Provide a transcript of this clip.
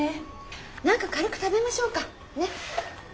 何か軽く食べましょうかねっ。